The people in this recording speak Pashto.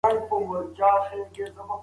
هغه د کورنۍ غمونه کموي.